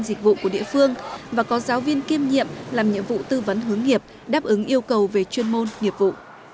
dịch vụ của địa phương và có giáo viên kiêm nhiệm làm nhiệm vụ tư vấn hướng nghiệp đáp ứng yêu cầu về chuyên môn nghiệp vụ